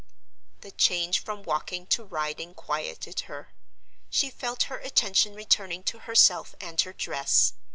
The change from walking to riding quieted her. She felt her attention returning to herself and her dress.